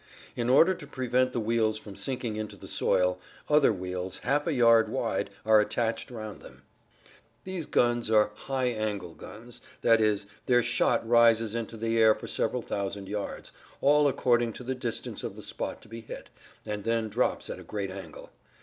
In order to prevent the wheels from sinking into the soil, other wheels, half a yard wide, are attached round them. These guns are high angle guns, i. e., their shot rises into the air for several thousand yards, all according to the distance of the spot to be hit, and then drops at a great angle.